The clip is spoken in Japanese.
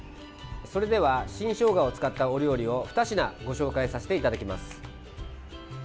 それでは新ショウガを使ったお料理を２品ご紹介させていただきます。